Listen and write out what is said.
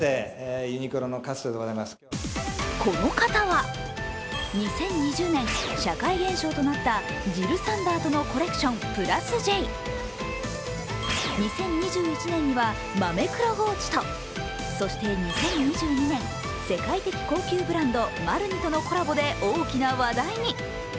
この方は、２０２０年、社会現象となったジル・サンダーとのコレクション・＋Ｊ、２０２１年にはＭａｍｅＫｕｒｏｇｏｕｃｈｉとそして２０２２年、世界的高級ブランドＭＡＲＮＩとのコラボで大きな話題に。